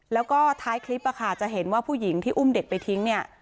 แล้วก็ท้ายคลิปจะเห็นว่าผู้หญิงที่อุ้มเด็กไปทิ้งเนี่ย